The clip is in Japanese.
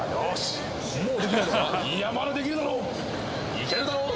いけるだろう？